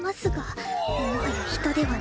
もはや人ではなく獣